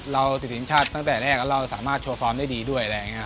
เราติดสินชาติตั้งแต่แล้วเราสามารถโชว์ฟอร์มได้ดีด้วย